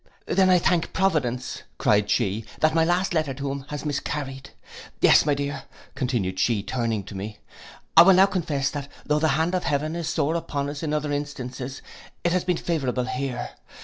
'—'Then I thank providence,' cried she, 'that my last letter to him has miscarried.' 'Yes, my dear,' continued she, turning to me, 'I will now confess that though the hand of heaven is sore upon us in other instances, it has been favourable here.